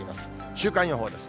週間予報です。